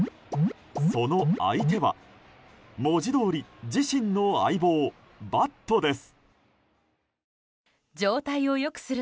その相手は、文字どおり自身の相棒、バットです。